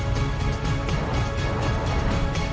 อ่า